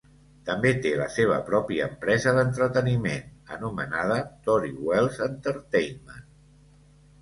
També té la seva pròpia empresa d'entreteniment, anomenada Tori Welles Entertainment.